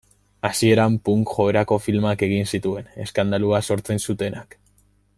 Hasieran punk joerako filmak egin zituen, eskandalua sortzen zutenak.